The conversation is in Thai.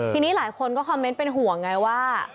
ทีนี้หลายคนก็คอมเมนต์เป็นห่วงไงว่า